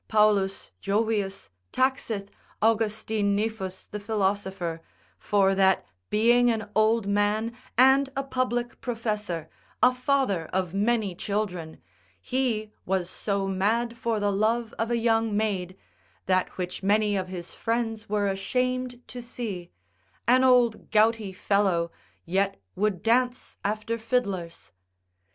Paulus Jovius taxeth Augustine Niphus the philosopher, for that being an old man, and a public professor, a father of many children, he was so mad for the love of a young maid (that which many of his friends were ashamed to see), an old gouty fellow, yet would dance after fiddlers.